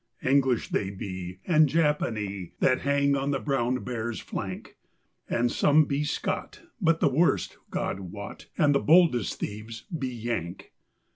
English they be and Japanee that hang on the Brown Bear's flank, And some be Scot, but the worst, God wot, and the boldest thieves, be Yank!